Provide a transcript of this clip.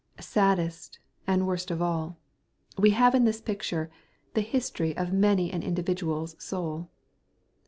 Saddest and worst of all, we have in this picture the history of many an individuals soul.